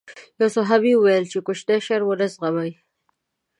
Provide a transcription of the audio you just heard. يو صحابي وويل کوچنی شر ونه زغمي.